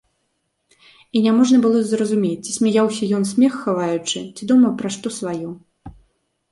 І няможна было зразумець, ці смяяўся ён, смех хаваючы, ці думаў пра што сваё.